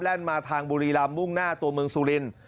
มาทางบุรีรำมุ่งหน้าตัวเมืองสุรินทร์